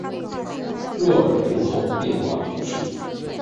若尔人口变化图示